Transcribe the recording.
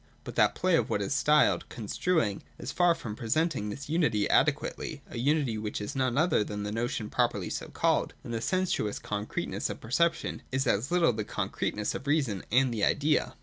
But that play of what is styled ' construing ' is far from presenting this unity adequately — a unity which is none other than the notion properly so called : and the sen suous concreteness of perception is as little the concrete ness of reason and the idea.